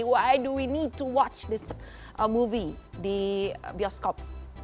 kenapa kita perlu nonton film ini di bioskop